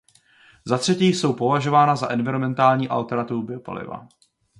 Zatřetí jsou považována za environmentální alternativu biopaliva.